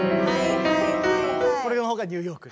これのほうがニューヨーク。